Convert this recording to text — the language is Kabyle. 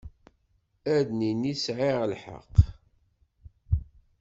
Ad nini tesɛiḍ lḥeqq.